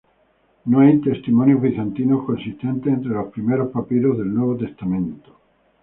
No hay testimonios bizantinos consistentes entre los primeros papiros del Nuevo Testamento.